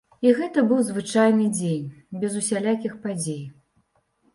І гэта быў звычайны дзень, без усялякіх падзей.